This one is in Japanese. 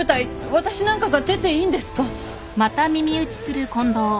私なんかが出ていいんですか？